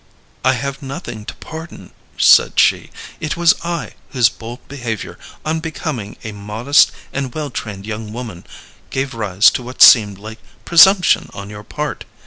"I have nothing to pardon," said she. "It was I, whose bold behavior, unbecoming a modest and well trained young woman, gave rise to what seemed like presumption on your part."